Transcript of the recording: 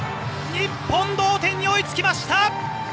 日本同点に追いつきました！